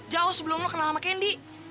jauh sebelum lo kenal sama kendi